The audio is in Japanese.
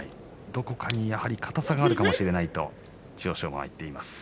どこかにやはり硬さがあるかもしれないと千代翔馬は言っています。